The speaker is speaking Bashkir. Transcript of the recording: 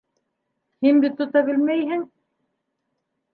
Һин бит тота белмәйһең.